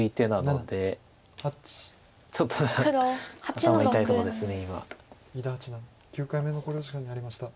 伊田八段９回目の考慮時間に入りました。